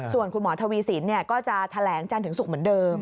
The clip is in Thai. ส่วนคุณหมอทวีสินก็จะแถลงจันทร์ถึงศุกร์เหมือนเดิม